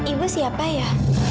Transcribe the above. ibu siapa ya